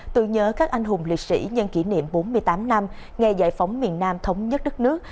từ nhớ các anh hùng lịch sĩ nhân kỷ niệm bốn mươi tám năm ngày giải phóng miền nam thống nhất đất nước